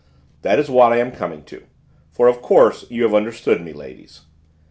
"That is what I am coming to, for, of course, you have understood me, ladies.